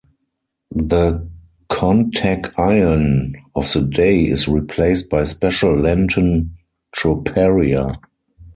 The Kontakion of the Day is replaced by special Lenten troparia.